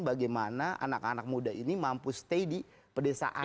bagaimana anak anak muda ini mampu stay di pedesaan